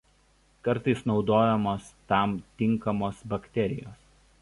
Kartais naudojamos tam tinkamos bakterijos.